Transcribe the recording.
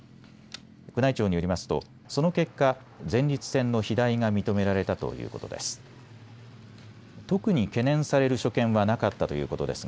宮内庁によりますとその結果、前立腺の肥大が認められたということです。